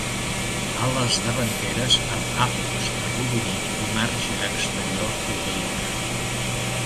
Ales davanteres amb àpex arrodonit i marge exterior oblic.